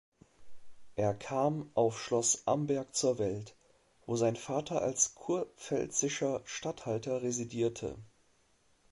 Er kam auf Schloss Amberg zur Welt, wo sein Vater als kurpfälzischer Statthalter residierte.